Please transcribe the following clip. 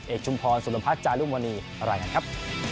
เอกชุมภรสุรพัฒน์จารุมวณีมาร่ายการครับ